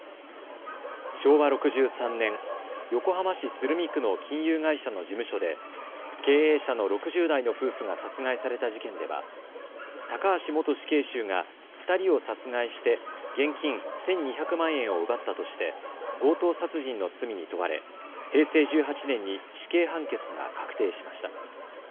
昭和６３年、横浜市鶴見区の金融会社の事務所で経営者の６０代の夫婦が殺害された事件では高橋元死刑囚が２人を殺害して現金１２００万円を奪ったとして強盗殺人の罪に問われ平成１８年に死刑判決が確定しました。